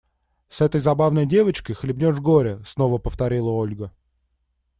С этой забавной девочкой хлебнешь горя, – снова повторила Ольга.